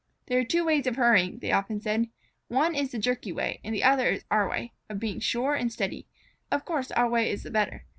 "There are two ways of hurrying," they often said. "One is the jerky way and the other is our way, of being sure and steady. Of course our way is the better.